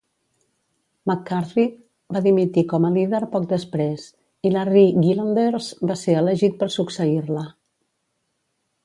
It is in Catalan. McCarthy va dimitir com a líder poc després, i Larry Gillanders va ser elegit per succeir-la.